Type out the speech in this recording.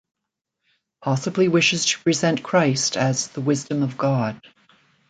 Possibly wishes to present Christ as "the wisdom of God".